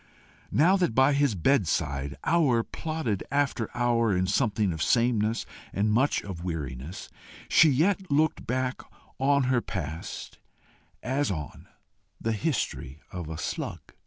Now that by his bedside hour plodded after hour in something of sameness and much of weariness, she yet looked back on her past as on the history of a slug.